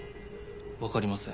わかりません。